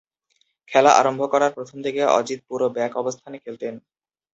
খেলা আরম্ভ করার প্রথম দিকে, অজিত পুরো ব্যাক অবস্থানে খেলতেন।